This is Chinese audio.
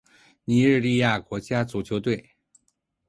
尼日利亚国家足球队